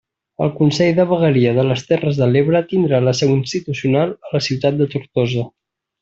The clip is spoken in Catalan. El Consell de Vegueria de les Terres de l'Ebre tindrà la seu institucional a la ciutat de Tortosa.